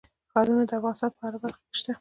ښارونه د افغانستان په هره برخه کې شته.